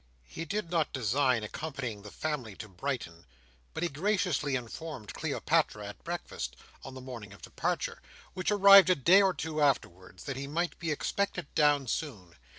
He did not design accompanying the family to Brighton; but he graciously informed Cleopatra at breakfast, on the morning of departure, which arrived a day or two afterwards, that he might be expected down, soon.